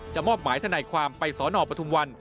มอบหมายทนายความไปสนปทุมวัน